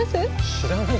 知らない？